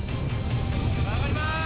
曲がります。